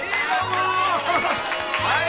はい。